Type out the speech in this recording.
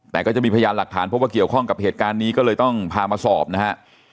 แต่ก็จะมีพยานหลักฐานพบว่าเกี่ยวข้องกับเหตุการณ์นี้ก็เลยต้องพามาสอบนะฮะ